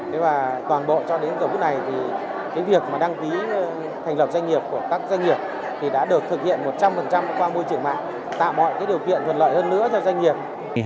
toàn bộ cho đến giờ bữa này việc đăng ký thành lập doanh nghiệp của các doanh nghiệp đã được thực hiện một trăm linh qua môi trường mạng tạo mọi điều kiện thuận lợi hơn nữa cho doanh nghiệp